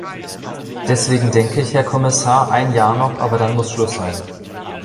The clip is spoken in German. Deswegen denke ich, Herr Kommissar, ein Jahr noch, aber dann muss Schluss sein.